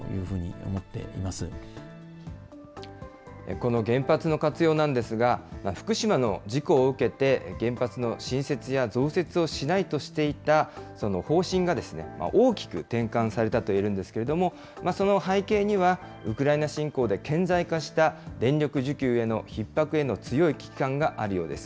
この原発の活用なんですが、福島の事故を受けて、原発の新設や増設をしないとしていたその方針が、大きく転換されたと言えるんですけれども、その背景には、ウクライナ侵攻で顕在化した電力需給へのひっ迫への強い危機感があるようです。